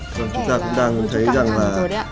chúng ta cũng đang thấy rằng là